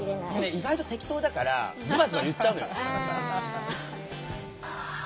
意外と適当だからズバズバ言っちゃうのよ。